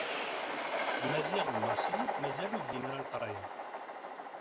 Maziɣ d Massi mazal ur bdin ara leqraya.